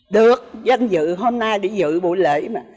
được danh dự hôm nay để dự buổi lễ mà